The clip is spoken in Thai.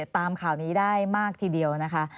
ตามข่าวนี้ได้มากทีเดียวนะคะ